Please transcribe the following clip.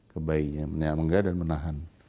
ke bayinya mengga dan menahan